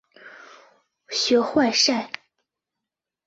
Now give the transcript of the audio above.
学坏晒！